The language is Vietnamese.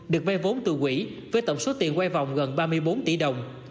được vay vốn từ quỹ với tổng số tiền quay vòng gần ba mươi bốn tỷ đồng